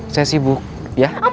saya sibuk ya